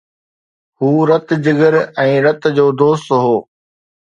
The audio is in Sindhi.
هو رت، جگر ۽ رت جو دوست هو